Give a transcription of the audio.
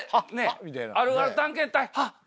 「あるある探検隊」。